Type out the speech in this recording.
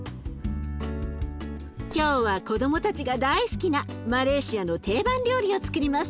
今日は子どもたちが大好きなマレーシアの定番料理をつくります。